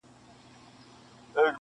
• انساني کرامت تر سوال للاندي دی..